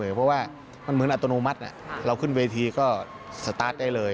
เพราะว่ามันเหมือนอัตโนมัติเราขึ้นเวทีก็สตาร์ทได้เลย